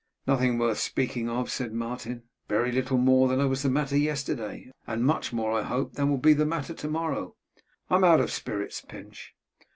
'Nothing worth speaking of,' said Martin. 'Very little more than was the matter yesterday, and much more, I hope, than will be the matter to morrow. I'm out of spirits, Pinch.